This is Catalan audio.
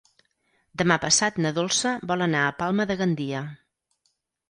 Demà passat na Dolça vol anar a Palma de Gandia.